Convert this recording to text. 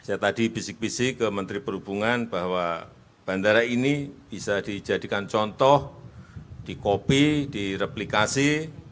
dan saya tadi pisik pisik ke menteri perhubungan bahwa bandara ini bisa dijadikan contoh dikopi direplikasi